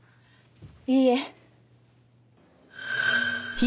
いいえ。